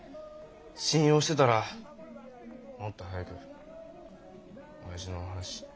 信用してたらもっと早く親父の話。